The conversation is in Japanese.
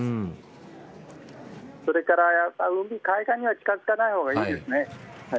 それから海岸には近づかない方がいいですね。